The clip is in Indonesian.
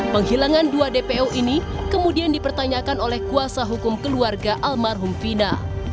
penghilangan dua dpo ini kemudian dipertanyakan oleh kuasa hukum keluarga almarhum vina